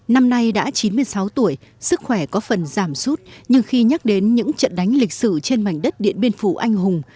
năm nay đã chín mươi sáu tuổi sức khỏe có phần giảm sút nhưng khi nhắc đến những trận đánh lịch sử trên mảnh đất điện biên phủ anh hùng